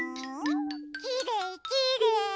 きれいきれい！